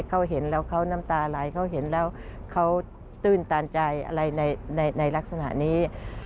เขาเห็นแล้วเขาน้ำตาลายเค้าตื่นตามใจในลักษณะนี้